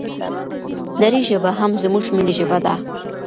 دري ژبه هم زموږ ملي ژبه ده.